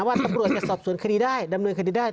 ว่าตำรวจจะสอบสวนคดีได้ดำเนินคดีได้